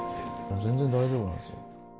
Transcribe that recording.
全然大丈夫なんです。